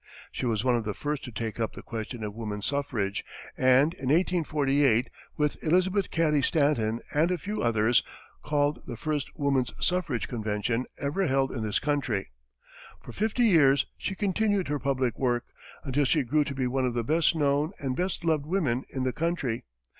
She was one of the first to take up the question of woman suffrage, and in 1848, with Elizabeth Cady Stanton and a few others, called the first Woman's Suffrage Convention ever held in this country. For fifty years she continued her public work, until she grew to be one of the best known and best loved women in the country.